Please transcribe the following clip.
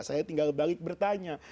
saya tinggal balik bertanya